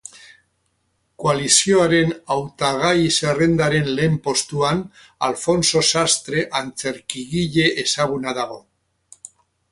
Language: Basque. Koalizioaren hautagai-zerrendaren lehen postuan Alfonso Sastre antzerkigile ezaguna dago.